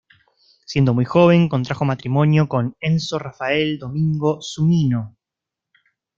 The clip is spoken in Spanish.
Siendo muy joven contrajo matrimonio con Enzo Rafael Domingo Zunino.